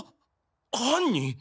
犯人！？